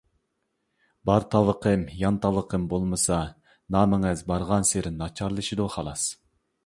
بار تاۋىقىم يان تاۋىقىم، بولمىسا نامىڭىز بارغانسېرى ناچارلىشىدۇ خالاس.